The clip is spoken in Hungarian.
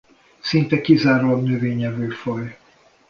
Szinte kizárólag növényevő faj.